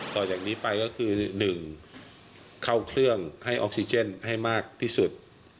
ต่อจากนี้ไปก็คือ๑เข้าเครื่องให้ออกซิเจนให้มากที่สุด